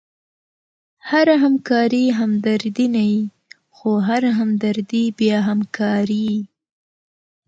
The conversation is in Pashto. هره همکاري همدردي نه يي؛ خو هره همدردي بیا همکاري يي.